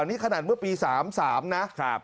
อันนี้ขนาดเมื่อปี๓๓นะครับ